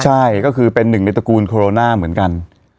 ใช่ก็คือเป็นหนึ่งในตระกูลโคโรนาเหมือนกัน